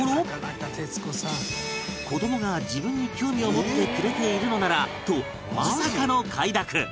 子どもが自分に興味を持ってくれているのならとまさかの快諾。